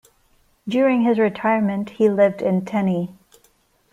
During his retirement he lived in Tennie.